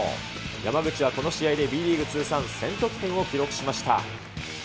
山口はこの試合でＢリーグ通算１０００得点を記録しました。